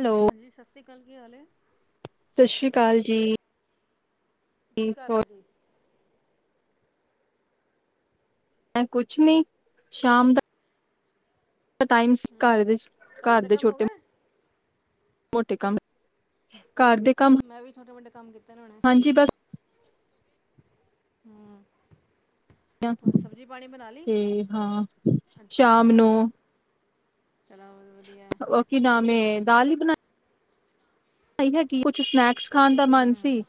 Hello, ਹਾਂਜੀ ਸਤਿ ਸ੍ਰੀ ਅਕਾਲ ਕੀ ਹਾਲ ਹੈ ਸਤਿ ਸ੍ਰੀ ਅਕਾਲ ਜੀ ਕੀ ਕਰ ਰਹੇ ਹੋਰ ਸੀ। ਮੈ ਕੁਛ ਨੀ ਸ਼ਾਮ ਦਾ ਟਾਈਮਸ ਹਮ ਘਰ ਘਰ ਦੇ ਕੰਮ ਹੋ ਛੋਟੇ ਗਏ ਮੋਟੇ ਕੰਮ ਘਰ ਦੇ ਕੰਮ ਮੈਂ ਵੀ ਛੋਟੇ ਵੱਡੇ ਕੰਮ ਕੀਤਾ ਹਾਂਜੀ ਬਸ ਹਾਂ ਤੇ ਹਾਂ ਅੱਛਾ ਸ਼ਾਮ ਅੱਛਾ ਨੂੰ ਚਲੋ ਵਧੀਆ ਓਹ ਕਿ ਨਾਮ ਹੈ ਦਾਲੀ ਹੀ ਬਣਾਈ ਨਹੀਂ ਹੈਗੀ ਕੁਛ ਸਨੈਕਸ ਖਾਂਨ ਦਾ ਮਨ ਹਮ ਸੀ।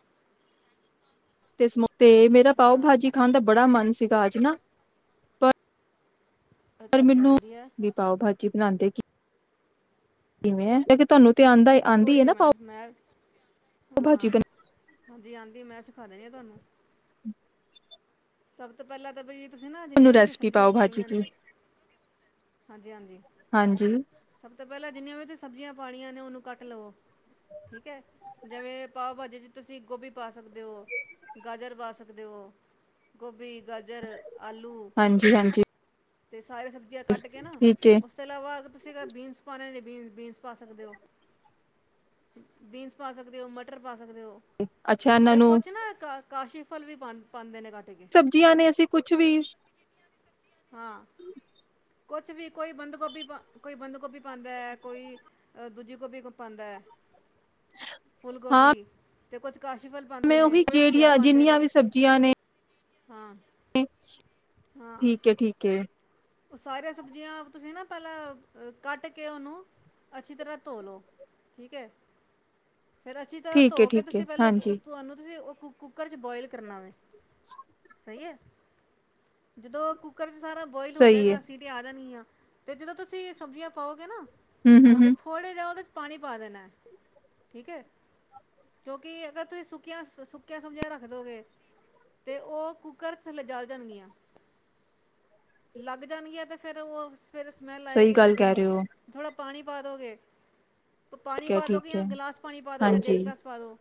ਤੇ ਤੇ ਮੇਰਾ ਪਾਓ- ਅੱਛਾ ਭਾਜੀ ਖਾਣ ਦਾ ਬੜਾ ਮਨ ਸੀ। ਸੀਗਾ ਅੱਜ ਨਾ ਪਰ ਅੱਛਾ ਪਰ ਅੱਛਾ ਮੈਨੂੰ ਵਧੀਆ ਵੀ ਪਾਓ ਭਾਜੀ ਬਣਾਉਂਦੇ ਕੀ ਕਿਵੇਂ ਇਕ ਤੁਹਾਨੂੰ ਤੇ ਆਂਦਾ ਕੋਈ ਆਂਦੀ ਹੈ ਨੀ ਨਾ ਮੈਂ, ਪਾਓ ਮੈਂ ਭਾਜੀ ਹਾਂ ਹਾਂਜੀ-ਹਾਂਦੀ ਮੈਂ ਖਾਣੇ ਆ ਤੁਹਾਨੂੰ। ਸਭ ਤੋਂ ਪਹਿਲਾਂ ਤਾਂ ਬਈ ਤੁਸੀਂ ਨਾ ਤੁਹਾਨੂੰ ਜਿੰਨੀਆਂ ਵੀ ਰੈਸਪੀ ਸਬਜ਼ੀਆਂ ਪਾਓ ਭਾਜੀ ਪਾਉਣੀਆਂ ਕੀ ਨੇ ਹਾਂਜੀ-ਹਾਂਜੀ, ਹਾਂਜੀ, ਸਭ ਤੋਂ ਪਹਿਲਾਂ ਜਿੰਨੀਆਂ ਵੀ ਤੁ ਸਬਜ਼ੀਆਂ ਪਾਣੀਆਂ ਨੇ ਉਹਨੂੰ ਕੱਟ ਲਵੋ ਠੀਕ ਹੈ, ਜਿਵੇਂ ਪਾਓ ਭਾਜੀ 'ਚ ਤੁਸੀਂ ਗੋਭੀ ਪਾ ਸਕਦੇ ਹੋ, ਗਾਜਰ ਪਾ ਸਕਦੇ ਹੋ, ਗੋਭੀ ਗਾਜਰ, ਆਲੂ ਹਾਂਜੀ, ਹਾਂਜੀ ਤੇ ਸਾਰੇ ਸ ਕੱਟ ਕੇ ਨਾ ਠੀਕ ਏ ਉਸ ਤੋਂ ਇਲਾਵਾ ਤੁਸੀਂ ਅਗਰ ਬੀਨਸ ਪਾਣੇ ਨੇ ਬੀਨ ਬੀਨਸ ਪਾ ਸਕਦੇ ਹੋ, ਬੀਨਸ ਪਾ ਸਕਦੇ ਹੋ ਮਟਰ ਪਾ ਸਕ ਸਕਦੇ ਹੋ, ਅੱਛਾ ਇਹਨਾਂ ਤੇ ਨੂੰ ਕੁਛ ਨਾ ਇੱਕ ਕਾਸ਼ੀ ਫਲ ਵੀ ਪਾ ਪਾਉਂਦੇ ਨੇ। ਕੱਟ ਕੇ ਸਬਜ਼ੀਆਂ ਨੇ ਅਸੀਂ ਕੁਛ ਵੀ ਹਾਂ, ਕੁਛ ਵੀ ਕੋਈ ਬੰਦ ਗੋਭੀ, ਕੋਈ ਬੰਦ ਗੋਭੀ ਪਾਉਂਦਾ ਹੈ, ਕੋਈ ਦੂਜੀ ਗੋਭੀ ਪਾਉਂਦਾ ਹੈ। ਫੁੱਲ ਗੋਭੀ। ਅਤੇ ਕੁਛ ਮੈ ਉਹੀ ਜਿਹੜੀਆਂ, ਜਿੰਨੀਆਂ ਵੀ ਸਬਜ਼ੀਆਂ ਨੇ ਹਾਂ ਹਾਂ ਠੀਕ ਹੈ ਠੀਕ। ਕੇ ਉਹ ਸਾਰੀਆਂ ਸਬਜ਼ੀਆਂ ਤੁਸੀਂ ਨਾ ਪਹਿਲਾਂ, ਕੱਟ ਕੇ ਉਹਨੂੰ ਅੱਛੀ ਤਰ੍ਹਾਂ ਧੋ ਲਉ ਠੀਕ ਹੈ। ਫੇਰ ਅੱਛੀ ਤਰ੍ਹਾਂ ਠੀਕ ਏ ਧੋ ਕੇ ਠੀਕ ਏ ਤੁਸੀਂ ਪਹਿਲਾਂ ਹਾਂਜੀ ਤੁਹਾਨੂੰ ਤੁਸੀਂ ਕੁੱਕਰ ਚ ਬੋਇਲ ਕਰਨਾ ਵੇ। [unintelligible] ਸਹੀ ਹੈ, ਜਦੋਂ ਕੁੱਕਰ ਚ ਸਾਰਾ ਬੋ ਹੋ ਸਹੀ ਏ ਜਾਏਗਾ ਸੀਟੀਆਂ ਆ ਜਾਣਗੀਆਂ। ਤੇ ਜਦੋਂ ਤੁਸੀਂ ਸਬਜ਼ੀਆਂ ਪਾਓਗੇ ਨਾ ਹੂੰ ਹੂੰ ਤੇ, ਹੂੰ ਥੋੜੇ ਜਿਹੇ ਉਹਦੇ ਚ ਪਾਣੀ ਪਾ ਦੇਣਾ ਠੀਕ ਹੈ, ਕਿਉਂਕਿ ਅਗਰ ਤੁਸੀਂ ਸੁੱਕੀਆਂ- ਸੁੱਕੀਆਂ ਸਬਜ਼ੀਆਂ ਰੱਖ ਦਿਓਗੇ ਤੇ ਉਹ ਕੁੱਕਰ ਥੱਲੇ ਜਲ ਜਾਣਗੀਆਂ। ਲੱਗ ਜਾਣਗੀਆਂ ਤੇ ਫੇਰ ਉਹ ਫਿਰ ਸਮੈਲ ਸਹੀ ਆਏਗੀ ਗੱਲ ਲੱਗਣ ਕਹਿ ਰਹੇ ਦੀ ਹੋ ਥੋੜ੍ਹਾ ਪਾਣੀ ਪਾ ਦੋ ਗੇ। ਪਾਣੀ ਠੀਕ ਹੈ ਪਾ ਦੋ ਕਿ ਠੀਕ ਜਾਂ ਹੈ ਗਿਲਾਸ ਪਾਣੀ ਪਾ ਦੋ ਚਾਹੇ ਹਾਂਜੀ ਡੇਢ ਗਿਲਾਸ ਪਾ ਦੋ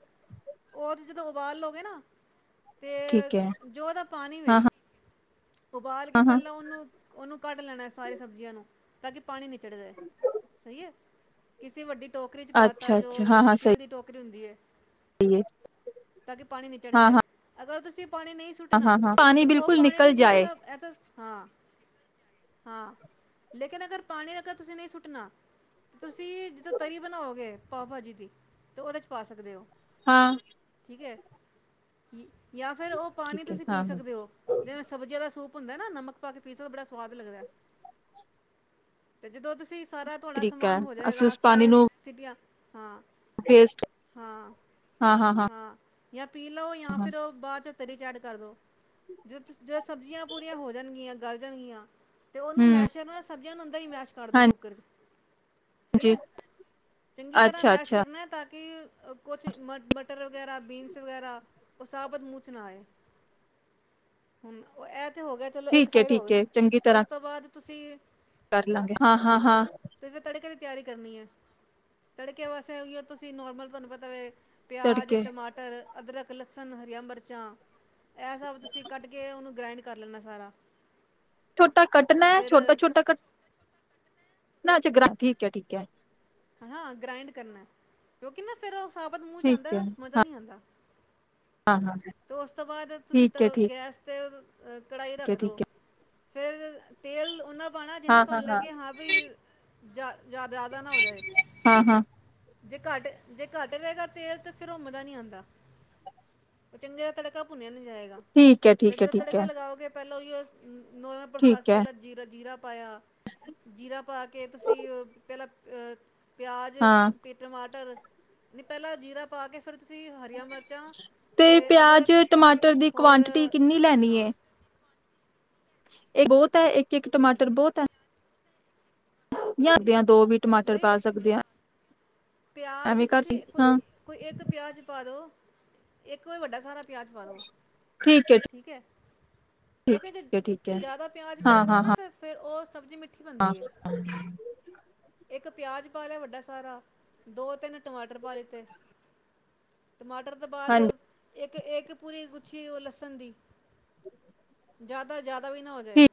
ਉਸ ਦੁੱਧ ਉਬਾਲ ਲਓਗੇ ਨਾ ਤੇ ਠੀਕ ਹੈ ਜੋ ਇਹਦਾ ਪਾਣੀ ਹਾਂ ਵੇ ਹਾਂ ਉਪ ਹਾਂ ਹਾਂ ਪਹਿਲਾਂ ਉਹਨੂੰ ਉਹਨੂੰ ਕੱਢ ਲੈਣਾ ਸਾਰੀਆਂ ਸਬਜ਼ੀਆਂ ਨੂੰ ਤਾਂ ਕਿ ਪਾਣੀ ਨੀ ਚੜਦੇ ਸਹੀ ਹੈ। ਕਿਸੇ ਵੱਡੀ ਟੋਕਰੀ ਚ ਪਾਤਾ ਅੱਛਾ ਜੋ ਅੱਛਾ ਹਾਂ ਹਾਂ ਸਟੀਲ ਦੀ ਟੋਕਰੀ ਹੁੰਦੀ ਏ। ਸਹੀ ਏ ਤਾਂ ਕਿ ਪਾਣੀ ਨੀ ਚੜ ਹਾਂ ਜਾਏ ਹਾਂ ਅਗਰ ਤੁਸੀਂ ਪਾਣੀ ਨਹੀਂ ਹਾਂ ਹਾਂ ਸੁੱਟਣਾ ਹਾਂ ਪਾਣੀ ਤੇ ਉਹ ਬਿਲਕੁਲ ਪਾਣੀ ਨਿਕਲ ਤੁਸੀਂ ਜਾਏ ਐਸਾ ਐਸਸ ਹਾਂ, ਲੇਕਿਨ ਅਗਰ ਪਾਣੀ ਅਗਰ ਤੁਸੀਂ ਨਹੀਂ ਸੁੱਟਣਾ ਤੁਸੀਂ ਜਿੱਦੋ ਤਰੀ ਬਣਾਓਗੇ ਪਾਓ ਭਾਜੀ ਦੀ ਤੇ ਉਹਦੇ ਚ ਪਾ ਸਕਦੇ ਓ। ਹਾਂ। ਠੀਕ ਐ। ਜਾਂ ਫਿਰ ਉਹ ਪਾਣੀ ਠੀਕ ਹੈ ਤੁਸੀਂ ਪੀ ਹਾਂ ਹਾਂ ਸਕਦੇ ਹੋ, ਜਿਵੇਂ ਸਬਜ਼ੀਆਂ ਦਾ ਸੂਪ ਹੁੰਦਾ ਨਾ ਨਮਕ ਪਾ ਕੇ ਪੀਸੋ ਤੇ ਬੜਾ ਸਵਾਦ ਲੱਗਦੈ ਤੇ ਜਦੋਂ ਤੁਸੀਂ ਸਾਰਾ ਤੁਹਾਡਾ ਤਰੀਕਾ ਸਮਾਨ ਹੈ ਹੋ ਅਸੀਂ ਜਾਏਗਾ, ਉਸ ਪਾਣੀ ਸਾਰੇ ਨੂੰ ਸਿਟੀਆਂ ਹਾਂ। ਵੇਸਟ ਹਾਂ-ਹਾਂ। ਹਾਂ ਹਾਂ ਹਾਂ ਬੀਅਰ ਪੀ ਲਓ ਜਾਂ ਹਾਂ ਫਿਰ ਉਹ ਬਾਅਦ ਚ ਤਰੀ ਚ ਐਡ ਕਰ ਦੋ। ਜ ਜੇ ਸਬਜ਼ੀਆਂ ਪੂਰੀਆਂ ਹੋ ਪਈਆਂ ਗਲ ਜਾਣਗੀਆਂ ਤੇ ਉਹਨੂੰ ਹੂੰ ਮੈਸ਼ ਨਾ ਸਬਜ਼ੀਆਂ ਨੂੰ ਅੰਦਰ ਹੀ ਮੈਸ਼ ਕਰਦਾ ਕੁੱਕਰ ਚ ਸਹੀ ਹਾਂਜੀ ਐ ਚੰਗੀ ਤਰ੍ਹਾਂ ਅੱਛਾ ਮੈਸ਼ ਅੱਛਾ ਕਰਨਾ ਤਾਂ ਕਿ ਕੁੱਛ ਮ ਮ ਟਰ ਵਗੈਰਾ ਬੀਨਸ ਵਗੈਰਾ ਉਹ ਸਾਬਤ ਮੂੰਹ ਚ ਨਾ ਆਏ, ਹੁਣ ਓ ਐ ਤੇ ਹੋ ਗਿ ਚਲੋ ਇੱਕ ਠੀਕ ਏ ਸਾਈਡ ਹੋ ਠੀਕ ਏ ਗਈ ਚੰਗੀ ਤੋ ਤਰ੍ਹਾਂ ਉਸ ਤੋਂ ਬਾਅਦ ਤੁਸੀਂ ਕਰ ਤ- ਲਾਂਗੇ ਹਾਂ ਹਾਂ-ਹਾਂ-ਹਾਂ। ਤੇ ਫਿਰ ਤੜਕੇ ਦੀ ਤਿਆਰੀ ਕਰਨੀ ਐ ਤੜਕੇ ਵਾਸਤੇ ਓਹੀ ਓ ਤੁਸੀਂ ਨੋਰਮਲ ਤੁਹਾਨੂੰ ਪਤਾ ਵ ਪਿਆਜ, ਤੜਕੇ ਟਮਾਟਰ, ਅਦਰਕ ਇੱਕ ਲਸਣ, ਹਰੀਆਂ, ਮਿਰਚਾਂ ਇਹ ਸਭ ਤੁਸੀਂ ਕੱਟ ਕੇ ਉਹਨੂੰ ਗਰਾਇੰਡ ਕਰ ਲੈਣਾ ਸਾਰਾ ਛੋਟਾ ਕੱਟਣਾ ਐ ਫਿਰ ਛੋਟਾ-ਛੋਟਾ ਕਟ ਨਾ [unintelligible] ਠੀਕ ਐ ਠੀਕ ਐ ਹਾਂ ਗ੍ਰਾਇੰਡ ਕਰਨਾ ਕਿਉਂਕ ਨਾ ਫੇਰ ਉ ਸਾਬਤ ਮੂੰਹ ਚ ਆਉਂਦਾ ਮਜ਼ਾ ਨੀ ਆਉਂਦਾ ਤੇ ਉਸ ਤੋਂ ਬਾਅਦ ਤੁਸੀਂ ਤ ਗੈਸ ਤੇ [unintelligible] ਅ ਕੜਾਹੀ ਰੱਖਦੋ ਫੇਰ ਤੇਲ ਉਹਨਾਂ ਪਾਣਾ ਜਿਨਾ ਤੁਹਾਨੂੰ ਲੱਗੇ ਹਾਂ ਬਈ ਜਾ ਜ਼ਿਆਦਾ ਜ਼ਿਆਦਾ ਨਾ ਹੋ ਜਾਏ ਹਾਂ ਹਾਂ ਜੇ ਘੱਟ ਜੇ ਘੱਟ ਰਹੇਗਾ ਤੇਲ ਤੇ ਫਿਰ ਉ ਮਜ਼ਾ ਨੀ ਆਉਂਦਾ ਉਹ [unintelligible] ਚੰਗੇ ਦਾ ਤੜਕਾ ਭੁੰਨਿਆ ਨਹੀਂ ਜਾਏਗਾ ਠੀਕ ਹੈ ਫੇਰ ਠੀਕ ਹੈ ਜਦੋਂ ਠੀਕ ਤੜਕਾ ਹੈ ਲਗਾਓਗੇ ਪਰ [unintelligible] ਨੋਾਂ ਠੀਕ ਹੈ ਪ੍ਰਸਾਸਹਿਾਂ [unintelligible] ਜੀਰਾ ਜੀਰਾ ਪਾਇਆ ਜੀਰਾ ਪਾ ਕੇ ਤੁਸੀਂ ਪਹਿਲਾਂ ਅਹ ਪਿਆਜ ਹਾਂ [unintelligible] ਟਮਾਟਰ ਨੀ ਪਹਿਲਾਂ ਜੀਰਾ ਪਾ ਕੇ ਫਿਰ ਤੁਸੀਂ ਹਰੀਆਂ ਮਿਰਚਾਂ ਤੇ ਪਿਆਜ਼ ਟਮਾਟਰ ਦੀ ਹੋਰ ਕੁਆਂਟਿਟੀ ਕਿੰਨੀ ਲੈਣੀ ਹਾਂ ਐ ਇਹ ਬਹੁਤ [unintelligible] ਇੱਕ ਇੱਕ ਟਮਾਟਰ ਬਹੁਤ ਹੈ [unintelligible] ਦੋ ਵੀ ਟਮਾਟਰ ਪਾ ਸਕਦੇ ਹਾਂ ਪਿਆਜ ਐਵੇਂ ਕਰ ਸੀ। ਤੁਸੀਂ ਕੋਈ ਹਾਂ ਕੋਈ ਇੱਕ ਪਿਆਜ ਪਾ ਦੋ ਇੱਕੋ ਵੱਡਾ ਸਾਰਾ ਪਿਆਜ਼ ਪਾ ਦੋ ਠੀਕ ਹੈ, ਕਿਉਂਕਿ ਠੀਕ ਜੇ ਹੈ ਠੀਕ ਹੈ ਜ਼ਿਆਦਾ ਪਿਆਜ ਹਾਂ ਪੈ ਜਾਂਦਾ ਹਾਂ ਨਾ ਹਾਂ ਫਿਰ-ਫਿਰ ਉਸ, ਸਬਜ਼ੀ ਮਿੱਠੀ ਹਾਂ, ਬਣਦੀ ਹੈ ਇੱਕ ਪਿਆਜ ਪਾ ਲਿਆ ਵੱਡਾ ਸਾਰਾ। ਦੋ ਤਿੰਨ ਟਮਾਟਰ ਪਾ ਦਿੱਤੇ। ਟਮਾਟਰ ਤੋਂ ਬਾਅਦ ਹਾਂਜੀ ਇੱਕ ਇੱਕ-ਇੱਕ ਪੂਰੀ ਗੁੱਛੀ ਉਹ ਲਸਣ ਦੀ, ਜ਼ਿਆਦਾ-ਜ਼ਿਆਦਾ, ਵੀ ਨਾ ਹੋ ਜਾਏ,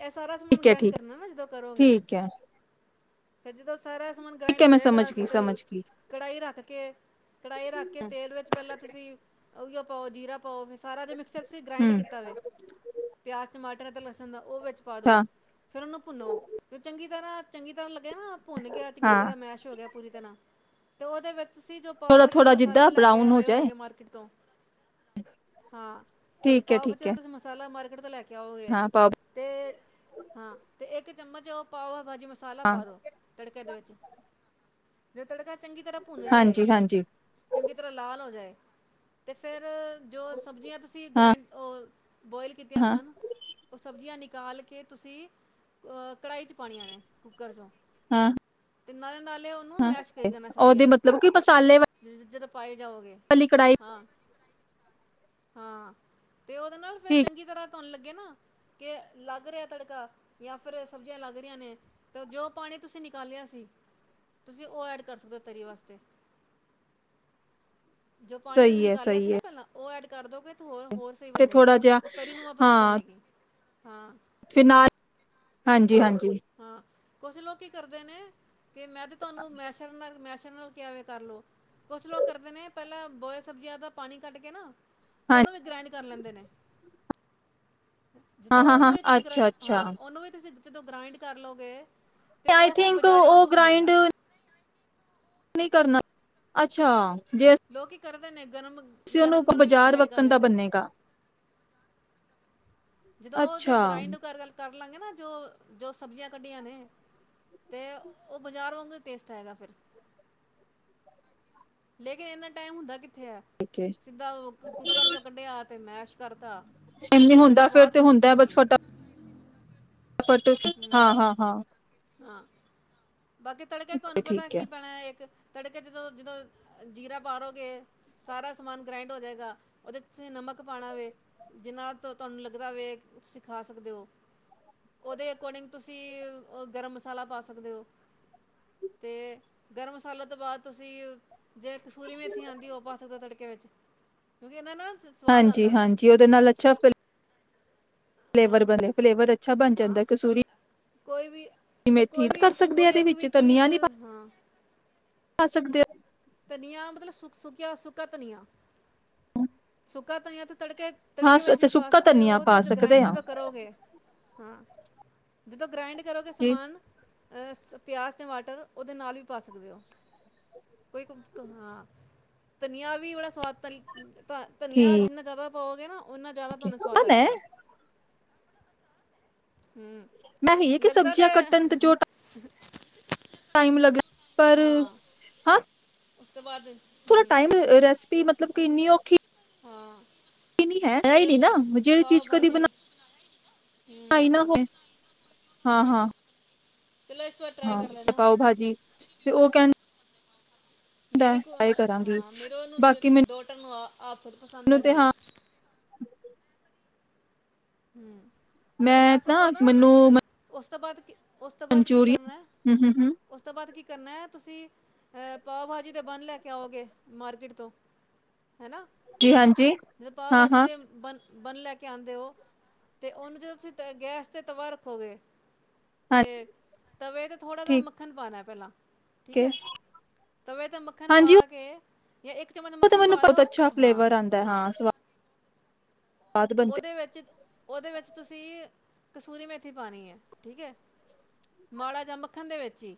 ਇਹ ਸਾਰਸ ਠੀਕ ਮਨ ਠੀਕ ਹੈ ਗ੍ਰਹਿਣ ਠੀਕ ਕਰਨਾ ਨਾ ਜਦੋਂ ਕਰੋਗੇ। ਠੀਕ ਹੈ ਫਿਰ ਜਦੋਂ, ਸਾਰਾ ਸਮਾਨ ਠੀਕ ਗ੍ਰਾਇੰਡ ਹੈ ਹੋ ਮੈਂ ਸਮਝ ਜਾਏਗਾ। ਗਈ ਤੇ ਸਮਝ ਗਈ ਕੜਾਹੀ ਰੱਖ ਕੇ, ਕੜਾਹੀ ਰੱਖ ਕੇ ਤੇਲ ਵਿੱਚ ਪਹਿਲਾਂ ਤੁਸੀਂ, ਔਈਓ ਪਾਓ ਜੀਰਾ, ਪਾਓ ਸਾਰਾ ਦੇ ਮਿਕਚਰਂ ਗ੍ਰਾਇੰਡ ਹਮ ਕੀਤਾ ਵੇ, ਪਿਆਜ ਚ ਮਾ ਲਸਣ ਦਾ ਉਹ ਵਿੱਚ ਪਾ ਦੋ ਹਾਂ ਫੇਰ ਉਹਨੂੰ ਭੁੰਨੋ ਜੋ ਚੰਗੀ। ਤਰ੍ਹਾਂ ਚੰਗੀ ਤਰ੍ਹਾਂ ਨਾ ਭੁੰਨ ਗਿਆ ਚੰਗੀ ਹਾਂ ਤਰ੍ਹਾਂ ਮੈਸ਼ ਹੋ ਗਿਆ। ਪੂਰੀ ਤਰ੍ਹਾਂ ਤੇ ਉਹਦੇ ਵਿੱਚ ਤੁਸੀਂ ਜੋ ਪਾਓ, ਥੋੜਾ ਭਾਜੀ ਦਾ ਥੋੜਾ ਮਸਾਲਾ ਜਿੱਦਾਂ ਲੈ ਕੇ ਬਰਾਊਨ ਹੋ ਆਏ ਜਾਏ ਹੋਗੇ ਮਾਰਕੀਟ ਤੋਂ ਹਾਂ ਤੇ ਠੀਕ ਹੈ ਪਾਓ ਠੀਕ ਹੈ ਵਿਚਿਆਂ ਤੁਸੀਂ ਮਸਾਲਾ ਮਾਰ [unintelligible] ਲੇ ਕੇ, ਕਿਆ ਹੋਏ ਹਾਂ ਪਾਓ ਤੇ ਹਾਂ ਤੇ ਇਕ ਚੰਮਚ ਉਹ ਪਾਓ। ਭਾਜੀ ਮਸਾਲਾ ਹਾਂ ਪਾ ਦਿਉ ਤੜਕੇ ਦੇ ਵਿੱਚ ਜੋ ਤੜ ਚੰਗੀ ਤਰ੍ਹਾਂ ਭੁੰਨ ਜਾਏ ਹਾਂਜੀ ਹਾਂਜੀ ਚੰਗੀ ਤਰ੍ਹਾਂ ਲਾਲ ਹੋ ਜਾਏ। ਤੇ ਫੇਰ, ਜੋ ਸਬਜ਼ੀਆਂ ਤੁਸੀਂ ਹਾਂ ਗ੍ਰੈਂਡ ਬੋਇਲ ਕੀਤੀਆਂ ਹਾਂ ਸਨ, ਉਹ ਸਬਜ਼ੀਆਂ ਟਾਲ ਕੇ ਤੁਸੀਂ ਅ ਕੜਾਹੀ ਚ ਪਾਣੀਆ ਨੇ ਕੁੱਕਰ ਚੋਂ, ਹਾਂ, ਤਿੰਨਾਂ ਨਾਲੇ ਉਹਨੂੰ ਮੈਸ਼ ਕਰੀ ਤੇ ਜਾਣਾ ਸਬਜ਼ੀਆਂ ਉਹਦੇ ਨੂੰ ਮਤਲਬ ਕਿ ਮਸਾਲੇ ਜਦੋਂ ਪਾਏ ਜਾਓਗੇ ਵਾਲੀ ਕੜਾਹੀ ਹਾਂ ਹਾਂ। ਤੇ ਉਹਦੇ ਨਾਲ ਫਿਰ ਠੀਕ ਚੰਗੀ ਤਰ੍ਹਾਂ ਤੁਹਾਨੂੰ ਲੱਗੇ ਨਾ ਕਿ ਲੱਗ ਰਿਹਾ ਤੜਕਾ ਜਾਂ ਫਿਰ ਸਬਜ਼ੀਆਂ ਲੱਗ ਰਹੀਆਂ ਨੇ ਤਾਂ ਜੋ ਪਾਣੀ ਤੁਸੀਂ ਨਿਕਾਲਿਆ ਸੀ ਤੁਸੀਂ ਉਹ ਐਡ ਕਰ ਸਕਦੇ ਹੋ ਤਰੀ ਵਾਸਤੇ। ਜੋ ਪਾਣੀ ਤੁਸੀਂ ਸਹੀ ਹੈ ਨਿਕਾਲਿਆ ਸੀ ਸਹੀ ਨਾ ਹੈ ਪਹਿਲਾਂ ਉਹ ਐਡ। ਕਰ ਦੋ ਫਿਰ ਤੇ ਥੋੜਾ ਜਿਹਾ ਹਾਂ ਬਣੇਗੀ ਹਾਂ ਫਿਰ ਨਾਲ ਹਾਂਜੀ-ਹਾਂਜੀ। ਹਾਂ। ਉਸ ਨੂੰ ਕੀ ਕਰਦੇ ਨੇ? ਤੇ ਮੈਂ ਤੇ ਤੁਹਾਨੂੰ ਮੈਸੇਜ ਨਾਲ ਮੈ ਨਾਲ ਇਵੇਂ ਕਰਲੋ, ਕੁਛ ਲੋਕ ਕਰਦੇ ਨੇ ਪਹਿਲਾਂ ਬੋਇਲ ਸਬਜ਼ੀਆਂ ਦਾ ਪਾਣੀ ਕੱਢ ਕੇ ਨਾ ਹਾਂ ਉਹਨੂੰ ਵੀ ਗ੍ਰਹਿਡ ਕਰ ਲੈਂਦੇ ਨੇ। ਹਾਂ ਜਦੋਂ ਹਾਂ ਹਾਂ ਉਹਨੂੰ ਵੀ ਤੁਸੀਂ ਅੱਛਾ ਗਰਾਇੰਡ ਅੱਛਾ ਉਹਨੂੰ ਵੀ ਤੁਸੀਂ ਜਦੋਂ ਗ੍ਰਰਾਇੰਡ ਕਰਲੋਗੇ। ਆਈ ਥਿੰਕ ਉਹ ਗਰਾਇਢ ਨਹੀਂ ਕਰਨਾ ਅੱਛਾ। ਜੇ ਲੋਕੀ ਕਰਦੇ ਨੇ। ਅਸੀਂ ਉਹਨੂੰ ਗਰਮ-ਗਰਮ-ਗਰਮ ਹੀ ਬਾਜ਼ਾਰ ਗ੍ਰਾਇਡ ਕਰ ਵੱਕਣ ਦਾ ਲੈਂਦੇ ਨੇ। ਬੰਨੇਗਾ ਜਦੋਂ ਉਹ ਜੋ ਅੱਛਾ ਗਰਾਇਡ ਤੋਂ ਗਲ- ਗੱਲ ਕਰ ਕਰ ਲਾਂਗੇ ਨਾ ਜੋ ਜੋ ਸਬਜ਼ੀਆਂ ਕੱਢੀਆਂ ਨੇ ਤੇ ਉਹ ਬਾਜ਼ਾਰ ਵਾਂਗ ਟੇਸਟ ਆਏਗਾ ਫਿਰ। ਲੇਕਿਨ ਇੰਨਾ ਟਾਈਮ ਹੁੰਦਾ ਕਿ ਤੇ ਸਿੱਧਾ ਉਹ ਕੁੱਕਰ ਚੋਂ ਕੱਢਿਆ ਤੇ ਮੈਸ਼ ਕਰਤਾ। ਨਹੀ, ਹੁੰਦਾ ਫਿਰ ਸਵਾਦ ਤੇ ਬਣਦੀ ਹੁੰਦਾ ਸਬਜ਼ੀ ਬਸ ਫਟਾ ਫਟ ਹਾਂ- ਹਾਂ -ਹਾਂ। ਨਾ। ਬਾਕੀ ਤੜਕੇ ਤੁਹਾਨੂੰ ਪਤਾ ਠੀਕ ਹੈ ਕੀ ਪੈਣਾ ਇੱਕ ਤੜਕੇ 'ਦ ਜਦੋਂ ਜੀਰਾ ਪਾਔਗੇ ਸਾਰਾ ਸਮਾਨ ਗ੍ਰਾਇੰਡ ਹੋ ਜਾਏਗਾ ਉਹਦੇ 'ਚ ਤੁਸੀਂ ਨਮਕ ਪਾਉਣਾ ਵੇ ਜਿਹਨਾਂ ਤੋਂ ਤੁਹਾਨੂੰ ਲੱਗਦਾ ਵੇ ਤੁਸੀਂ ਖਾ ਸਕਦੇ ਹੋ ਉਹਦੇ ਅਕੋਰਡਿੰਗ ਤੁਸੀਂ ਉਹ ਗਰਮ ਮਸਾਲਾ ਪਾ ਸਕਦੇ ਹੋ ਤੇ ਗਰਮ ਮਸਾਲੇ ਤੋਂ ਬਾਅਦ ਤੁਸੀਂ ਜੇ ਕਸੂਰੀ ਮੇਥੀ ਇੱਥੇ ਆਉਂਦੀ ਉਹ ਪਾ ਸਕਦੇ ਹੋ ਤੜਕੇ ਵਿੱਚ ਕਿਉਂਕਿ ਇਹਨਾਂ ਨਾਲ ਸਵਾਦ ਹਾਂਜੀ ਆਂਦਾ ਵੇ ਹਾਂਜੀ ਉਹਦੇ ਨਾਲ ਅੱਛਾ ਫਿਲ ਫਲੇਵਰ ਹਾਂ ਬਣਿਆ ਫਲੇਵਰ ਅੱਛਾ ਬਣ ਹਾਂ ਜਾਂਦਾ ਕਸੂਰੀ ਕੋਈ ਵੀ ਅਗਰ ਕਿਵੇਂ ਥੀ ਕੋਈ [unintelligible] ਵੀ ਕਰ ਸਕਦੇ ਕੋਈ ਇਹਦੇ ਇੱਕ ਵਿੱਚ ਵੀ ਚੀਜ਼ ਧਨੀਆ ਨਹੀਂ ਪਾ ਹਾਂ [unintelligible] ਆ ਸਕਦੇ ਆ ਧਨੀਆ ਮਤਲਬ ਸੁ ਸੁੱਕਿਆ ਸੁੱਕਾ ਧਨੀਆ ਸੁ ਤਾਂ [unintelligible] ਤੜਕੇ ਹਾਂ ਤੜਕੇ ਵਿੱਚ ਅੱਛਾ ਵੀ ਪਾ ਸੁੱਕਾ ਸਕਦੇ ਧਨੀਆ ਹੋ ਉਹ ਪਾ ਤੇ ਸਕਦੇ ਗ੍ਰਾਇੰਡ ਹਾਂ ਜਦੋਂ ਕਰੋਗੇ ਹਾਂ ਜਦੋਂ ਗਰਾਇੰਡ ਕਰੋਗੇ ਜੀ ਸਮਾਨ ਅਹ ਪਿਆਜ਼ ਟਮਾਟਰ ਉਹਦੇ ਨਾਲ ਵੀ ਪਾ ਸਕਦੇ ਹੋ ਕੋਈ ਹਾਂ [unintelligible] ਧਨੀਆ ਵੀ ਬੜਾ ਸਵਾਦ ਤ ਤਾਂ [unintelligible] ਧਨੀਆ ਠੀਕ ਜਿੰਨਾ ਜ਼ਿਆਦਾ ਹੋ ਗਿਆ ਨਾ [unintelligible] ਓਨਾ ਜ਼ਿਆਦਾ ਤੁਹਾਨੂੰ ਸਵਾਦ ਹੈ ਆਏਗਾ ਮੈਂ ਇਹ ਹੂੰ ਕਿ ਲਗਦਾ ਸਬਜ਼ੀਆਂ ਤਾਂ ਕੱਟਣ ਤੇ ਜੋ [unintelligible] ਟਾਈਮ ਲੱਗ ਪਰ ਹਾਂ ਉਸ ਤੋਂ ਬਾਅਦ ਥੋੜਾ ਹਮ ਟਾਈਮ ਰੈਸਪੀ ਧੁਪ [unintelligible] ਕਿੰਨੀ ਔਖੀ ਹਾਂ [unintelligible] ਹੈਈ ਫਿਰ ਨਹੀਂ ਨਾ ਜਿੜ ਪਾਓ ਚੀਜ਼ ਕਦੀ ਭਾਜੀ ਹਮ ਬਣਾਈ ਨਾ ਹੋ ਹਾਂ ਹਾਂ ਚਲੋ ਇਸ ਵਾਰ ਟਰਾਈ ਹਾਂ ਕਰ ਲੈਣਾ ਪਾਓ ਭਾਜੀ ਤੇ ਉਹ ਕਹਿੰ ਮੇਰੀ ਕੋ ਕਰਾਂਗੀ ਹਾਂ [unintelligible] ਮੇਰੇ ਉਹਨੂੰ ਬਾਕੀ ਡੋਟਰ ਨੂੰ ਆ ਆਪ ਪਸੰਦ ਹੈ ਮੈਨੂੰ ਤੇ ਹਾਂ ਹਮ [inaudible] ਮੈਂ ਸਗੋਂ ਨਾ ਹੁਣ ਹੁਣ ਉਸ ਤੋਂ ਬਾਅਦ ਕੀ ਉਸ ਤੋਂ ਬਾਅਦ ਕੀ ਕਰਨਾ ਮਨਚੂਰੀਅਨ ਹਮ ਹਮ ਹਮ ਉਸ ਤੋਂ ਬਾਅਦ ਕੀ ਕਰਨਾ ਹੈ ਤੁਸੀਂ ਅਹ ਪਾਓ ਭਾਜੀ ਤੇ ਬੰਨ ਲੈ ਕੇ ਆਓਗੇ ਮਾਰਕੀਟ ਤੋਂ ਹੈਨਾ ਜੀ ਹਾਂਜੀ ਜਦੋਂ ਪਾਓ ਭਾਜੀ ਹਾਂ-ਹਾਂ, ਦੇ ਬਨ ਬੰਨ ਲੈ ਕੇ ਆਂਦੇ ਹੋ ਤੇ ਉਹਨੂੰ ਜਦੋਂ ਤੁਸੀਂ ਤ ਗੈਸ ਤੇ ਤਵਾ ਰੱਖੋਗੇ ਹਾਂ ਤੇ ਤਵੇ ਤੇ ਥੋੜਾ ਜ ਠੀਕ ਮੱਖਣ ਪਾਉਣਾ ਪਹਿਲਾਂ ਠੀਕ ਏ, ਹੈ ਤਵੇ ਤੇ ਮੱਖਣ ਪਾ ਹਾਂਜੀ ਕੇ ਜਾਂ [unintelligible] ਇੱਕ ਚਮਚ ਉਹ ਤਾਂ ਮੱਖਣ ਮੈਨੂੰ ਪਾ ਬਹੁਤ ਲਓ ਅੱਛਾ ਹਾਂ ਫਲੇਵਰ ਆਂਦਾ ਹਾਂ ਸਵਾਦ ਬਣਦੇ ਉਹਦੇ ਵਿੱਚ ਉਹਦੇ ਵਿੱਚ ਤੁਸੀਂ ਕਸੂਰੀ ਮੇਥੀ ਪਾਉਣੀ ਹੈ, ਠੀਕ ਹੈ, ਮਾੜਾ ਜਾਂ ਮੱਖਣ ਦੇ ਵਿੱਚ ਹੀ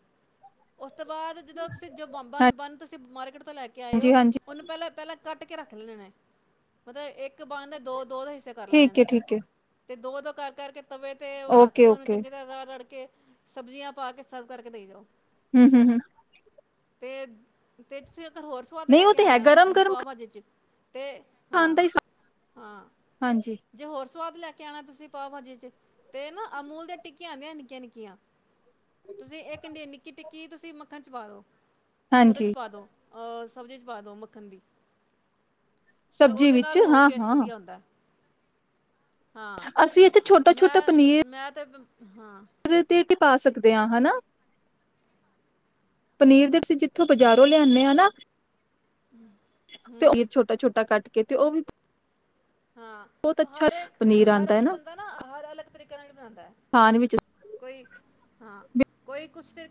ਉਸ ਤੋਂ ਬਾਅਦ ਜਦੋਂ ਤੁਸੀਂ ਜੋ ਬ ਬੰਨ ਤੁਸੀਂ ਮਾਰਕੀਟ ਤੋਂ ਲੈ ਕੇ ਆਏ ਹੋ ਹਾਂਜੀ-ਹਾਂਜੀ, ਉਹਨੂੰ ਪਹਿਲਾਂ ਪਹਿਲਾਂ ਕੱਟ ਕੇ ਰੱਖ ਲੈਣੇ ਨੇ ਮਤਲਬ ਇੱਕ ਬਦ ਦਾ ਦੋ ਦੋ ਦੇ ਹਿੱਸੇ ਕਰ ਲੈਣੇ ਠੀਕ ਨੇ ਏ-ਠੀਕ ਏ, ਤੇ ਦੋ ਦੋ ਕਰ ਕਰਕੇ ਤਵੇ 'ਤੇ ਉਹ ਰੱਖ ਕੇ ਉਹਨੂੰ ਓਕੇ-ਓਕੇ, ਚੰਗੀ ਤਰ੍ਹਾਂ ਰੜ ਕੇ ਸਬਜ਼ੀਆਂ ਪਾ ਕੇ ਸਰਵ ਕਰਕੇ ਦੇਈ ਜਾਓ ਹਮ ਹਮ ਹਮ ਤੇ ਤੇ ਤੁਸੀਂ ਹੋਰ ਸਵਾਦ ਲੈ ਨਹੀਂ ਉਹ ਕੇ ਤੇ ਹੈ ਆਉਣਾ ਗਰਮ-ਗਰਮ ਪਾਓ ਭਾਜੀ ਚ ਅਤੇ ਹਾਂ ਹਾਂ ਹਾਂਜੀ ਜੇ ਹੋਰ ਸਵਾਦ ਲੈ ਕੇ ਆਉਣਾ ਤੁਸੀਂ ਪਾਓ ਭਾਜੀ ਚ ਤੇ ਨਾ ਅਮੂਲ ਦੀਆਂ ਟਿੱਕੀਆਂ ਆਂਦੀਆਂ ਨਿੱਕੀਆਂ ਨਿੱਕੀਆਂ। ਤੁਸੀਂ ਇੱਕ ਨਿੱਕੀ ਟਿੱਕੀ ਤੁਸੀਂ ਮੱਖਣ ਚ ਪਾ ਦੋ। ਉਹਦੇ ਚ ਹਾਂਜੀ-ਹਾਂਜੀ, ਪਾ ਦੋ ਅਅਜ਼ ਸਬਜ਼ੀ ਚ ਪਾ ਦਓ ਮੱਖਣ ਦੀ ਤੇ ਸਬਜ਼ੀ ਉਹਦੇ ਵਿੱਚ ਨਾਲ ਹੋਰ ਟੇਸਟ ਹਾਂ-ਹਾਂ ਵਧੀਆ ਆਉਂਦਾ। ਹਾਂ, ਅਸੀਂ ਇੱਥੇ ਮੈਂ ਮੈਂ ਤੇ [unintelligible] ਹਾਂ [unintelligible] ਤੇਪਾ ਸਕਦੇ ਹਾਂ ਹਨਾ ਪਨੀਰ ਦੇ ਅਸੀਂ ਜਿੱਥੋਂ ਬਾਜ਼ਾਰੋਂ ਲਿਆਨੇ ਆ ਨਾ ਤੇ [unintelligible] ਹੂੰ ਛੋਟਾ ਛੋਟਾ ਕੱਟ ਕਿਤੇ ਉਹ ਵੀ ਹਾਂ ਬਹੁਤ ਅੱਛਾ ਹਰ ਇੱਕ ਪਨੀਰ ਹਰ ਆਉਂਦਾ ਏ ਕੋਈ ਨਾ ਬੰਦਾ ਹਰ ਅਲੱਗ [inaudible] ਬਣਾਉਂਦਾ ਹੈ ਖਾਣ ਵਿੱਚ ਕੋਈ ਹਾਂ ਕੋਈ ਕੁਛ ਤੇ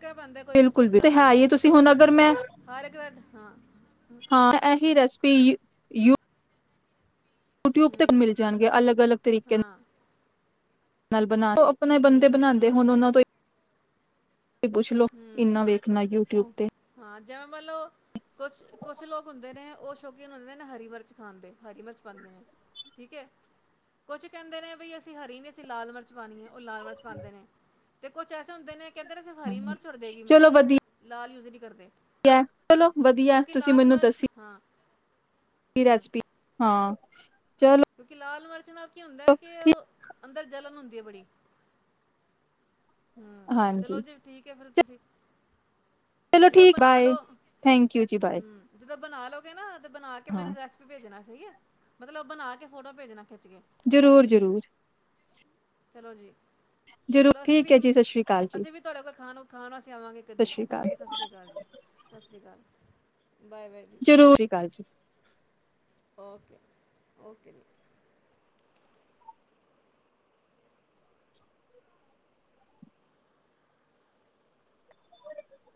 ਬਿਲਕੁਲ -ਬਿਲਕੁਲ ਤੇ ਹੈ ਹੀ ਏ। ਤੁਸੀਂ ਹੁਣ ਅਗਰ ਮੈਂ ਹਰ ਇੱਕ ਦਾ ਹਾਂ ਹਾਂ, ਤਾਂ ਇਹੀ ਰੈਸਪੀ ਯ ਯੂਟਿਊਬ ਤੱਕ ਹੂੰ ਮਿਲ ਜਾਂਦੀ ਹੈ ਅਲੱਗ-ਅਲੱਗ ਤਰੀਕੇ ਦੀ। ਹਾਂ ਨਾਲ ਬਨਾ ਆਪਣੇ ਬੰਦੇ ਹੂੰ ਬਣਾਉਂਦੇੁ ਹੁਣ ਉਹਨਾਂ ਤੋਂ ਪੁੱਛ ਲੋੋ ਇੰਨਾ ਵੇਖਣਾ ਯੂਟਿਊਬ ਹਮ, ਤੇ ਹਾਂ, ਜਿਵੇਂ ਮੰਨਲੋ ਕੁਛ-ਕੁਛ ਲੋਕ ਹੁੰਦੇ ਨੇ ਉਹ ਸ਼ੋਕ ਉਹਨੂੰ ਕਹਿੰਦੇ ਹਰੀ ਮਿਰਚ ਖਾਂਣਦੇ ਹਰੀ ਮਿਰਚ ਪਾਉਂਦੇ ਨੇ ਠੀਕ ਹੈ। ਕੁਛ ਕਹਿੰਦੇ ਨੇ ਬਈ ਅਸੀਂ ਹਰੀ ਨੀ ਅਸੀਂ ਲਾਲ ਮਿਰਚ ਪਾਣੀ ਹੈ ਉਹ ਲਾਲ ਮਰਚ ਪਉਦੇ ਨੇ ਤੇ ਕੁਛ ਐਸੇ ਹੁੰਦੇ ਨੇ ਕਿ ਸਿਰਫ ਹਰਿ ਮਿਰ ਹੂੰ ਕਰ ਦੇਗੀ ਮਿਰਚ ਚਲੋ ਲਾ [unintelligible] ਲ ਯੂਜ ਨਹੀਂ ਕਰਦੇ। ਵਧੀਆ, ਚਲੋ ਵਧੀਆ ਕਿਉਂਕਿ ਤੁਸੀਂ ਲਾਲ ਮੈਨੂੰ ਮਿਰਚ ਦਸੀ ਹਾਂ ਹੂੰ ਰਿਸੀਪੀ, ਹਾਂ। ਚਲੋ ਕਿਉਂਕਿ ਲਾਲ ਮਰ [unintelligible] ਕੀ ਹੁੰਦਾ ਕਿ ਉਹ ਅੰਦਰ ਜਲਣ ਹੁੰ ਦੀ ਹੈ ਬੜੀ। ਹਮ, ਚਲੋ ਹਾਂਜੀ ਜੀ ਠੀਕ ਹੈ ਫੇਰ। ਤੁਸੀਂ [unintelligible] ਚਲੋ ਜਦੋਂ ਠੀਕ ਬਣਾ ਬਾਏ। ਲਓ ਥੈਂਕ ਯੂ ਜੀ, ਬਾਏ। ਹੂੰ ਜਦੋਂ ਬਨਾ ਲਓਗੇ ਨਾ [unintelligible] ਬਣਾ ਕੇ ਹਾਂ ਮੈਨ ਰੈਸਪੀ ਭੇਜਣਾ ਠੀਕ ਹੈ, ਮਤਲਬ ਬਣਾ ਕੇ ਫੋਟੋ ਭੇਜਣਾ। ਖਿੱਚ ਕੇ ਜ਼ਰੂਰ-ਜ਼ਰੂਰ। ਚਲੋ ਜੀ ਜ਼ਰੂਰ ਚਲੋ, ਅਸੀਂ ਠੀਕ ਹੈ ਵੀ ਜੀ ਸਤਿ ਸ਼੍ਰੀ ਅਕਾਲ ਜੀ ਅਸੀਂ ਵੀ ਤੁਹਾਡੇ ਕੋਲ ਖਾਣ-ਖਾਣ ਵਾਸ ਆਵਾਂਗੇ ਸਤਿ ਕਦੀ ਸ਼੍ਰੀ ਅਕਾਲ ਓਕੇ ਸਤਿ ਸ੍ਰੀ ਅਕਾਲ ਜੀ। ਸਤ੍ਰੀ ਗੱਲ [unintelligible] ਜ਼ਰੂਰੀ ਗੱਲ ਜੀ [unintelligible] ਓਕੇ-ਓਕੇ ਜੀ